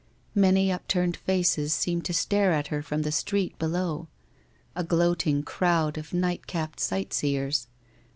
Many upturned faces seemed to stare at her from the street below — a gloating crowd of night capped sightseers.